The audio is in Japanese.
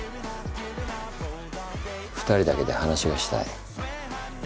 ２人だけで話がしたい。